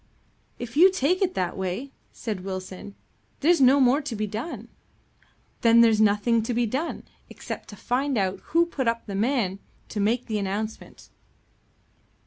"If you take it that way," said Wilson, "there's no more to be done." "There's nothing to be done, except to find out who put up the man to make the announcement."